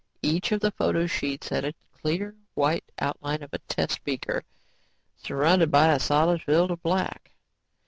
Each of the photo sheets had a clear, white outline of a test beaker surrounded by a solid field of black.